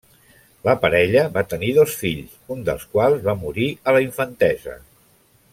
La parella va tenir dos fills, un dels quals va morir a la infantesa.